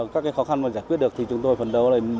các cái khó khăn mà giải quyết được thì chúng tôi phần đầu là